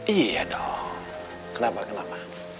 iya dong kenapa kenapa